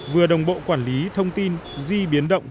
vừa đồng bộ quản lý thông tin di biến động